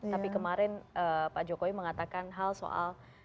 tapi kemarin pak jokowi mengatakan hal soal